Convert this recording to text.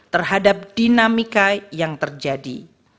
terhadap dinamika yang terjadi